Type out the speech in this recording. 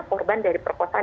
korban dari perkosaan